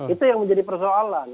itu yang menjadi persoalan